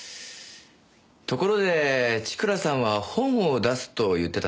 ところで千倉さんは本を出すと言ってたんですよね？